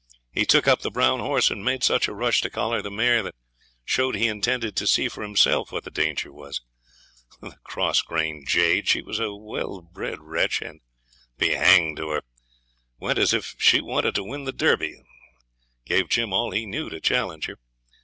He took up the brown horse, and made such a rush to collar the mare that showed he intended to see for himself what the danger was. The cross grained jade! She was a well bred wretch, and be hanged to her! Went as if she wanted to win the Derby and gave Jim all he knew to challenge her.